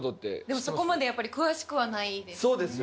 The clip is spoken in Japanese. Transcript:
でもそこまでやっぱり詳しくはないですね。